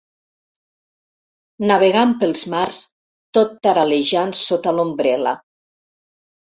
Navegant pels mars tot taral·lejant sota l'ombrel·la.